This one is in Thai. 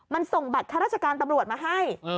มันส่งบัตรข้าราชการตำรวจมาให้